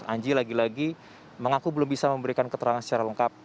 anji lagi lagi mengaku belum bisa memberikan keterangan secara lengkap